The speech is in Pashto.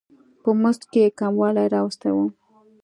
په مزد کې یې کموالی راوستی و.